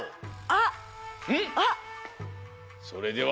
あっ！